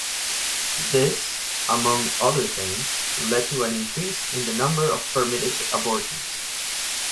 This, among other things, led to an increase in the number of permitted abortions.